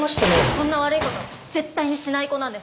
そんな悪いこと絶対にしない子なんです。